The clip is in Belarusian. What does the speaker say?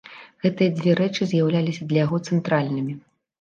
Гэтыя дзве рэчы з'яўляліся для яго цэнтральнымі.